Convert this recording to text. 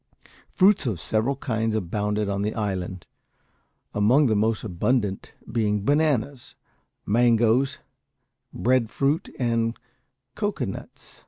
Fruits of several kinds abounded on the island, among the most abundant being bananas, mangoes, breadfruit, and cocoa nuts.